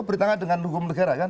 itu beritahunya dengan hukum negara kan